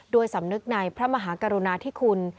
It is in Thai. สำนึกในพระมหากรุณาธิคุณ